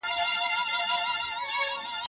اوس چي تا حواب راکړی خپل طالع مي ژړوینه